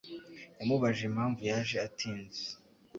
Yamubajije impamvu yaje atinze